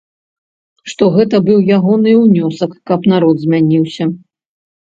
Што гэта быў ягоны ўнёсак, каб народ змяніўся.